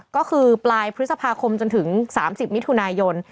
ก็คือปลายพฤษภาคมจนถึง๓๐มิถุนายน